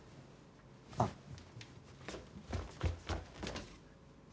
あっ。